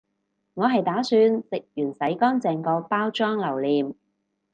我係打算食完洗乾淨個包裝留念